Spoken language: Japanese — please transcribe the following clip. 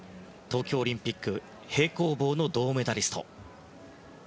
東京オリンピック平行棒の銅メダリスト。